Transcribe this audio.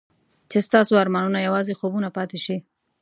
چې ستاسو ارمانونه یوازې خوبونه پاتې شي.